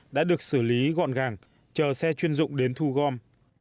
đã được xử lý gọn gàng chờ xe chuyên dụng đến thu gom